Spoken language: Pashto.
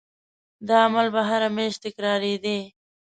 دا عمل به هره میاشت تکرارېدی.